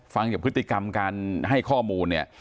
ฟังจากพฤติกรรมการให้ข้อมูลเนี่ย